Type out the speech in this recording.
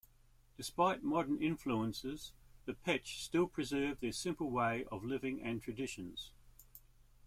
Despite modern influences the Pech still preserve their simple way of living and traditions.